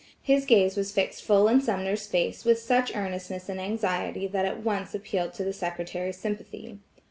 He gaze was fixed full in Sumner's face with such earnestness and anxiety that at once appealed to the secretary's sympathy.